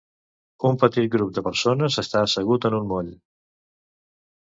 Un petit grup de persones està assegut en un moll.